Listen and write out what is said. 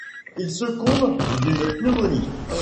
Il succombe d'une pneumonie.